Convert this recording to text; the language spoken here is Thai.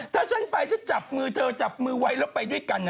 ถ้าฉันไปฉันจับมือเธอจับมือไว้แล้วไปด้วยกัน